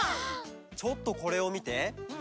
ちょっとこれをみて。